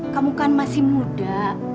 kamu kan masih muda